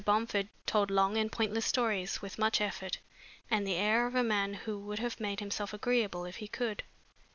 Bomford told long and pointless stories with much effort and the air of a man who would have made himself agreeable if he could.